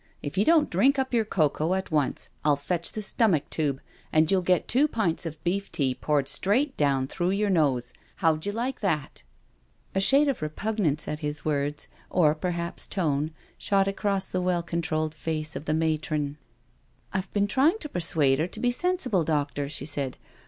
If you don't drink up your cocoa at once I'll fetch the stomach tube, and you'll get two pints of beef tea poured straight down through your nose— how'U you like that?" A shade of repugnance at his words, or perhaps tone, shot across the well controlled face of the matron. "I've been trying to persuade her to be sensible, doctor," she said.